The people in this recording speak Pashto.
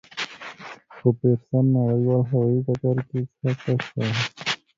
په پېرسن نړیوال هوایي ډګر کې کښته شوه.